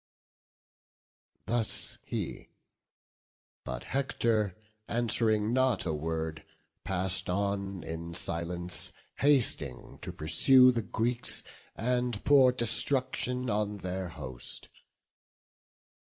Thus he; but Hector, answ'ring not a word, Pass'd on in silence, hasting to pursue The Greeks, and pour destruction on their host.